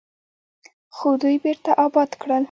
خو دوی بیرته اباد کړل.